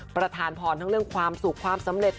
ประธานพรทั้งเรื่องความสุขความสำเร็จ